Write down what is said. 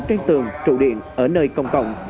trên tường trụ điện ở nơi công cộng